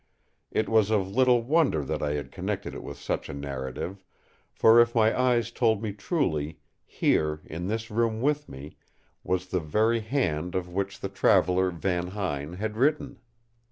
It was of little wonder that I had connected it with such a narrative; for if my eyes told me truly, here, in this room with me, was the very hand of which the traveller Van Huyn had written.